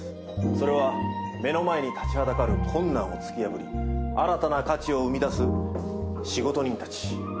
それは目の前に立ちはだかる困難を突き破り新たな価値を生み出す仕事人たち。